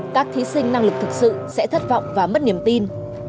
các thí sinh năng lực thực sự sẽ thất vọng và mất niềm tin